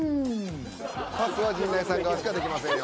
パスは陣内さん側しかできませんよ。